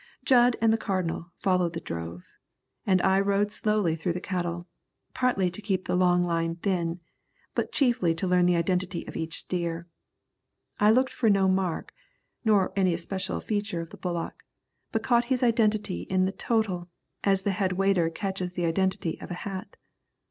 Jud and the Cardinal followed the drove, and I rode slowly through the cattle, partly to keep the long line thin, but chiefly to learn the identity of each steer. I looked for no mark, nor any especial feature of the bullock, but caught his identity in the total as the head waiter catches the identity of a hat.